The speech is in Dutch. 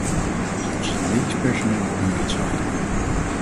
Zelfs het medisch personeel wordt nu het slachtoffer.